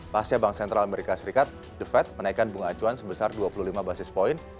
pasnya bank sentral amerika serikat the fed menaikkan bunga acuan sebesar dua puluh lima basis point